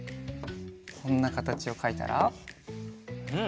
こんなかたちをかいたらうん！